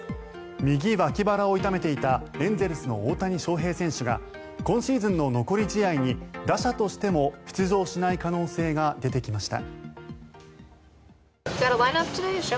右脇腹を痛めていたエンゼルスの大谷翔平選手が今シーズンの残り試合に打者としても出場しない可能性が出てきました。